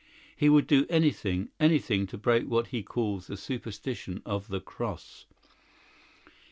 He would do anything, anything, to break what he calls the superstition of the Cross.